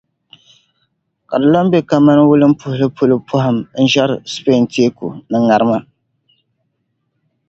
Ka di lan be kaman wulimpuhili polo pɔhim n-ʒiɛri Spain teeku ni ŋarima.